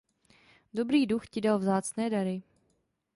Dobrý duch ti dal vzácné dary.